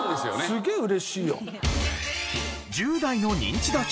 すげえ嬉しいよ。